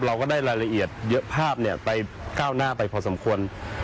เราก็ได้รายละเอียดเยอะภาพไปก้าวหน้าไปพอสมควร